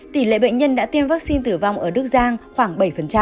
tỷ lệ bệnh nhân đã tiêm vaccine tử vong ở đức giang khoảng bảy